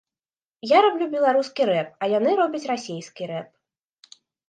Я раблю беларускі рэп, а яны робяць расейскі рэп.